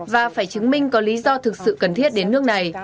và phải chứng minh có lý do thực sự cần thiết đến nước này